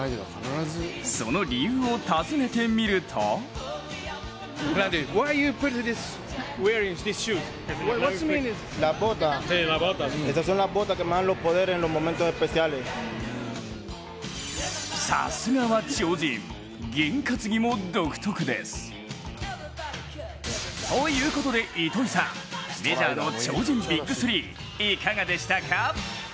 その理由を尋ねてみるとさすがは超人、験担ぎも独特です。ということで糸井さん、メジャーの超人ＢＩＧ３、いかがでしたか？